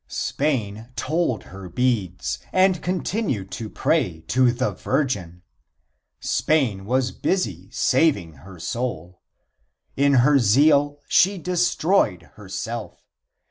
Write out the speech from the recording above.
Spain told her beads and continued to pray to the Virgin. Spain was busy saving her soul. In her zeal she destroyed herself.